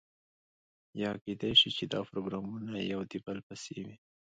یا کیدای شي چې دا پروګرامونه یو د بل پسې وي.